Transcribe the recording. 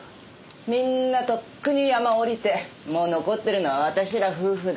みんなとっくに山下りてもう残ってるのは私ら夫婦だけ。